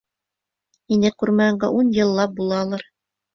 Һине күрмәгәнгә ун йыллап булалыр.